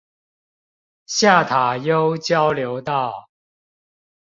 下塔悠交流道